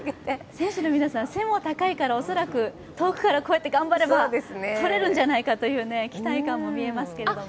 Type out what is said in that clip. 選手の皆さん背も高いから恐らく遠くから頑張れば撮れるんじゃないかという期待感も見えますけれども。